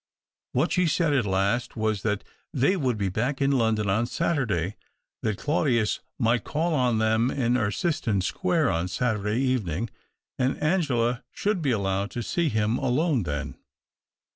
What she said at last was that they would be back in London on Saturday, that Claudius might call on them in Erciston Square on Saturday evening, and Angela should be allowed to see him alone then.